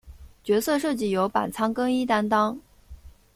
角色设计由板仓耕一担当。